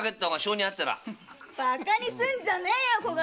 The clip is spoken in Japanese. バカにすんじゃねえよ小頭！